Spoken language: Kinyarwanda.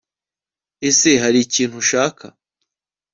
Ese Hari ikintu ushaka